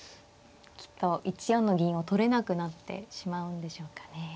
きっと１四の銀を取れなくなってしまうんでしょうかね。